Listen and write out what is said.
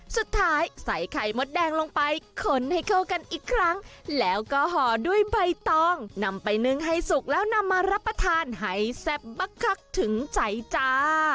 ใส่ไข่มดแดงลงไปขนให้เข้ากันอีกครั้งแล้วก็ห่อด้วยใบตองนำไปนึ่งให้สุกแล้วนำมารับประทานให้แซ่บบักคักถึงใจจ้า